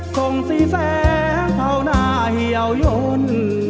ส่งสีแสงเข้าหน้าเหี่ยวยน